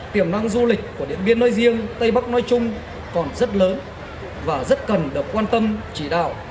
tiềm năng du lịch của điện biên nói riêng tây bắc nói chung còn rất lớn và rất cần được quan tâm chỉ đạo